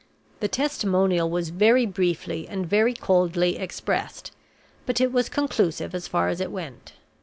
The testimonial was very briefly and very coldly expressed, but it was conclusive as far as it went.